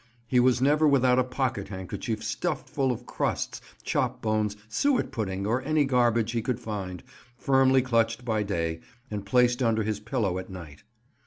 He was never without a pocket handkerchief stuffed full of crusts, chop bones, suet pudding, or any garbage he could find, firmly clutched by day, and placed under his pillow at night.